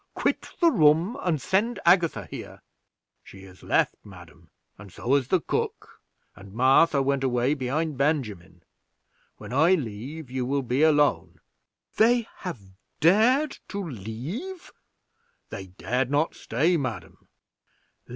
Quit the room, and send Agatha here." "She has left, madam, and so has the cook, and Martha went away behind Benjamin; when I leave, you will be alone." "They have dared to leave?" "They dared not stay, madam."